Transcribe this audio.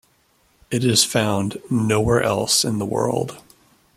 It is found nowhere else in the world.